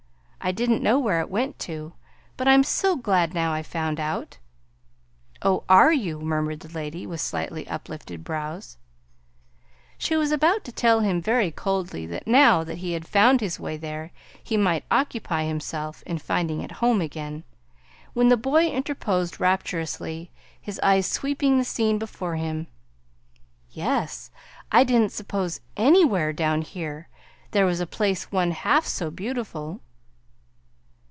I didn't know where it went to, but I'm so glad now I found out!" "Oh, are you!" murmured the lady, with slightly uplifted brows. She was about to tell him very coldly that now that he had found his way there he might occupy himself in finding it home again, when the boy interposed rapturously, his eyes sweeping the scene before him: "Yes. I didn't suppose, anywhere, down here, there was a place one half so beautiful!"